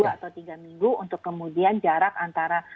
satu atau tiga minggu untuk kemudian jarak antara